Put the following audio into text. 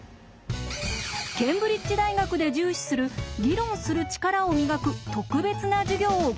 ケンブリッジ大学で重視する議論する力を磨く特別な授業をご紹介しましょう。